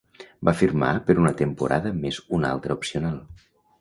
Va firmar per una temporada més una altra opcional.